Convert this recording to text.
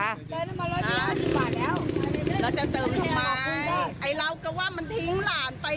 ตรงไหนมา